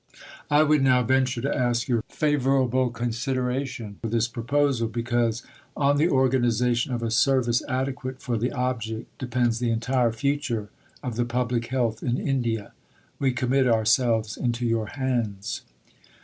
I would now venture to ask your favourable consideration for this proposal, because, on the organisation of a service adequate for the object, depends the entire future of the Public Health in India. We commit ourselves into your hands.